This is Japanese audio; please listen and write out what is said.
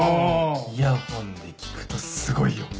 イヤホンで聞くとすごいよ。